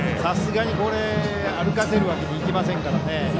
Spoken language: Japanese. さすがに歩かせるわけにはいきませんからね。